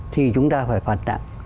thì chúng ta phải phạt tạng